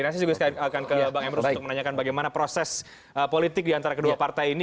nanti juga saya akan ke bang emrus untuk menanyakan bagaimana proses politik diantara kedua partai ini